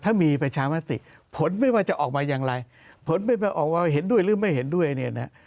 ถ้ามีประชามติผลไม่ว่าจะออกมาอย่างไรผลออกมาเห็นด้วยหรือไม่เห็นด้วยเนี่ยนะ